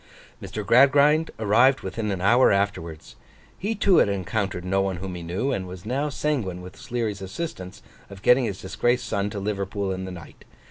Mr. Gradgrind arrived within an hour afterwards. He too had encountered no one whom he knew; and was now sanguine with Sleary's assistance, of getting his disgraced son to Liverpool in the night.